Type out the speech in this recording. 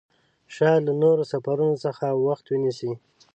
شاید له نورو سفرونو څخه وخت ونیسي.